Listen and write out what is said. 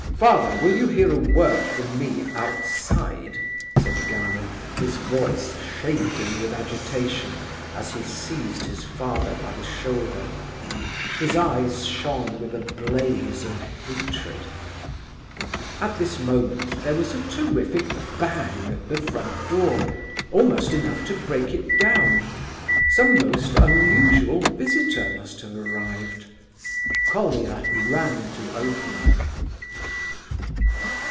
"Father, will you hear a word from me outside!" said Gania, his voice shaking with agitation, as he seized his father by the shoulder. His eyes shone with a blaze of hatred. At this moment there was a terrific bang at the front door, almost enough to break it down. Some most unusual visitor must have arrived. Colia ran to open.